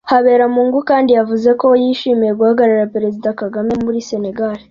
Harebamungu kandi yavuze ko yishimiye guhagararira Perezida Kagame muri Sénégal